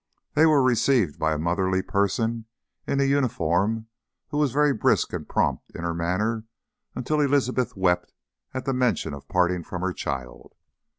They were received by a motherly person in a uniform who was very brisk and prompt in her manner until Elizabeth wept at the mention of parting from her child.